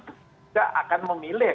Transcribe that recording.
tidak akan memilih